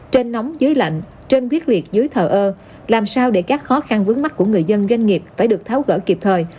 trên nóng dưới lạnh trên quyết liệt dưới thờ ơ làm sao để các khó khăn vướng mắt của người dân doanh nghiệp phải được tháo gỡ kịp thời